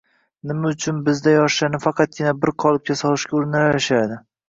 Nima uchun bizda yoshlarni faqatgina bir qolipga solishga urinaverishadi?